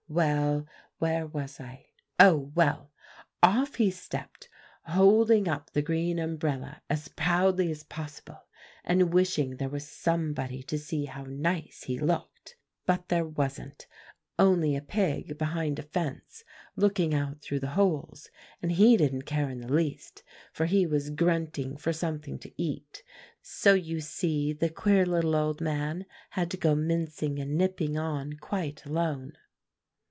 Well, where was I? Oh, well! off he stepped, holding up the green umbrella as proudly as possible, and wishing there was somebody to see how nice he looked; but there wasn't, only a pig behind a fence looking out through the holes, and he didn't care in the least, for he was grunting for something to eat, so you see the queer little old man had to go mincing and nipping on quite alone.